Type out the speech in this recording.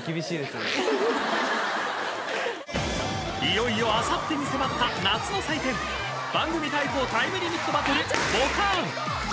［いよいよあさってに迫った夏の祭典『番組対抗タイムリミットバトルボカーン！』］